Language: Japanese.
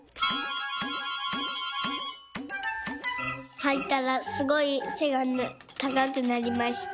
「はいたらすごいせがたかくなりました」。